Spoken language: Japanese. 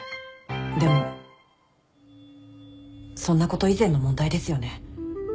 でもそんなこと以前の問題ですよね。